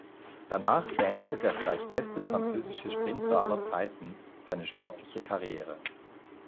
Danach beendete der vielleicht beste französische Sprinter aller Zeiten seine sportliche Karriere.